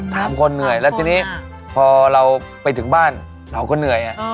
หลังคนนะหลังคนอะแล้วทีนี้พอเราไปถึงบ้านเราก็เหนื่อยอะ